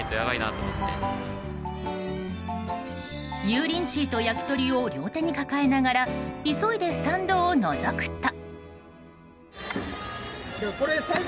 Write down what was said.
油淋鶏と焼き鳥を両手に抱えながら急いでスタンドをのぞくと。